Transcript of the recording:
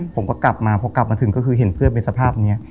ผมก็กลับมาพอกลับมาถึงก็คือเห็นเพื่อนเป็นสภาพนี้